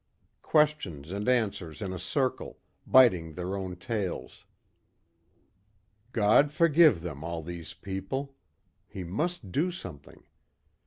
Questions and answers in a circle, biting their own tails. God forgive them, all these people. He must do something.